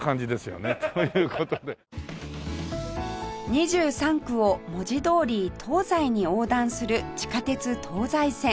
２３区を文字どおり東西に横断する地下鉄東西線